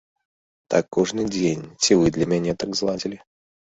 Так кожны дзень ці вы для мяне так зладзілі?